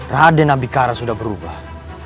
rade nabi kara sudah berubah